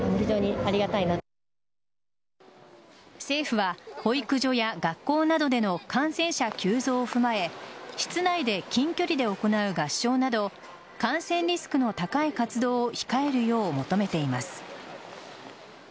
政府は保育所や学校などでの感染者急増を踏まえ室内で近距離で行う合唱など感染リスクの高い活動を控えるよう求めています。